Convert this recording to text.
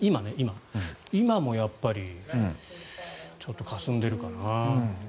今もやっぱりちょっとかすんでるかな？